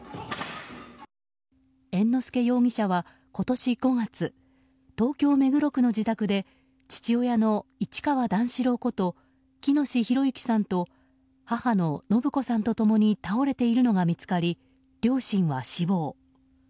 猿之助容疑者は今年５月東京・目黒区の自宅で父親の市川段四郎こと喜熨斗弘之さんと母の延子さんと共に倒れているのが見つかり両親は死亡。